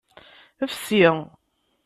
Fsi.